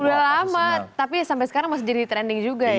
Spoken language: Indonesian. udah lama tapi sampai sekarang masih jadi trending juga ya